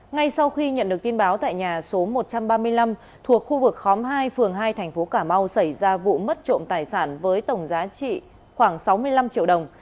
ngay sau khi nhận được tin báo tại nhà số một trăm ba mươi năm thuộc khu vực khóm hai phường hai thành phố cà mau xảy ra vụ mất trộm tài sản với tổng giá trị khoảng sáu mươi năm triệu đồng